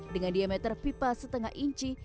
dengan diameter pipa setengah inci